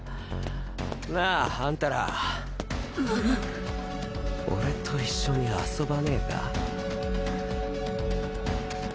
なああんたら（蔵杉・阿天坊・俺と一緒に遊ばねぇか？